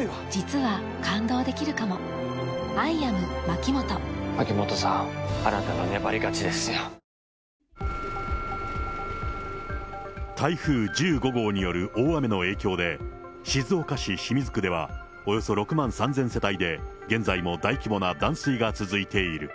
また座席クッション型アラームや、台風１５号による大雨の影響で、静岡市清水区ではおよそ６万３０００世帯で、現在も大規模な断水が続いている。